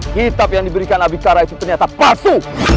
hitap yang diberikan abikara itu ternyata palsu